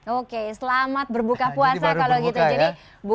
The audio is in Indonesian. oke selamat berbuka puasa kalau gitu